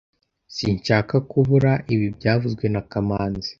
Sinshaka kubura ibi byavuzwe na kamanzi